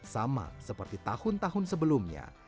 sama seperti tahun tahun sebelumnya